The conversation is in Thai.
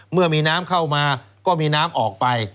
เมื่อมีน้ำเข้ามาก็มีน้ำออกไป